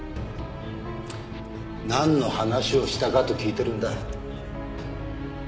なんの話をしたかと聞いてるんだ。